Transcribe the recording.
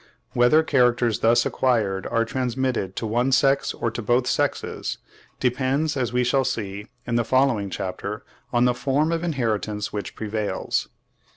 Whether characters thus acquired are transmitted to one sex or to both sexes, depends, as we shall see in the following chapter, on the form of inheritance which prevails.